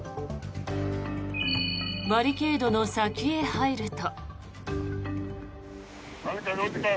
バリケードの先へ入ると。